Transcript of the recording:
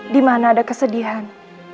dimana ada kesedihan